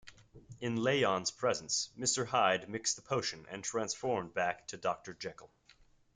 In Lanyon's presence, Mr. Hyde mixed the potion and transformed back to Doctor Jekyll.